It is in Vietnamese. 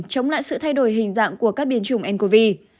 chống lại sự thay đổi hình dạng của các biến chủng ncov